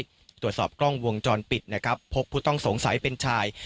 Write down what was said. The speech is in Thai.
ตรวจสอบกล้องวงจรปิดนะครับพบผู้ต้องสงสัยเป็นชาย